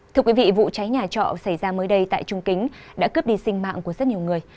thưa quý vị vụ cháy nhà trọ xảy ra mới đây tại trung kính đã cướp đi sinh mạng của rất nhiều người